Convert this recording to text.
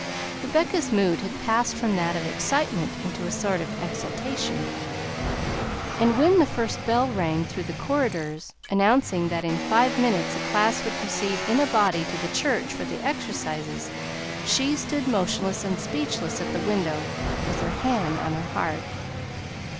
Rebecca's mood had passed from that of excitement into a sort of exaltation, and when the first bell rang through the corridors announcing that in five minutes the class would proceed in a body to the church for the exercises, she stood motionless and speechless at the window with her hand on her heart.